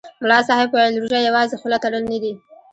ملا صاحب ویل: روژه یوازې خوله تړل نه دي.